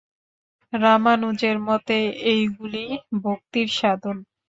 রামানুজের মতে এইগুলিই ভক্তির সাধন।